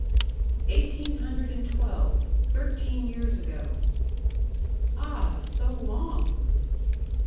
"Eighteen hundred and twelve. Thirteen years ago." "Ah, so long!"